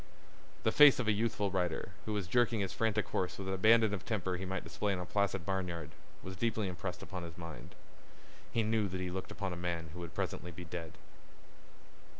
The face of a youthful rider, who was jerking his frantic horse with an abandon of temper he might display in a placid barnyard, was impressed deeply upon his mind. He knew that he looked upon a man who would presently be dead.